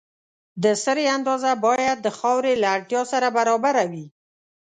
د سرې اندازه باید د خاورې له اړتیا سره برابره وي.